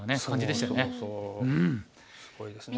すごいですね。